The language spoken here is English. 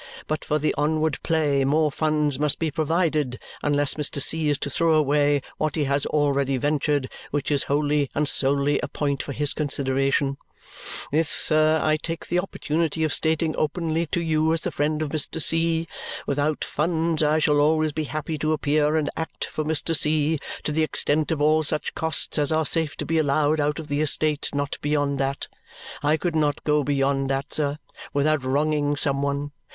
But for the onward play, more funds must be provided, unless Mr. C. is to throw away what he has already ventured, which is wholly and solely a point for his consideration. This, sir, I take the opportunity of stating openly to you as the friend of Mr. C. Without funds I shall always be happy to appear and act for Mr. C. to the extent of all such costs as are safe to be allowed out of the estate, not beyond that. I could not go beyond that, sir, without wronging some one.